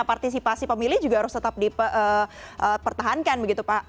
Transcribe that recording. partisipasi pemilih juga harus tetap dipertahankan begitu pak